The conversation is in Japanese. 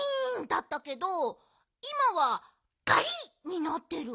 だったけどいまは「ガリ！」になってる。